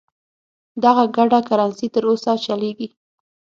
دغه ګډه کرنسي تر اوسه چلیږي.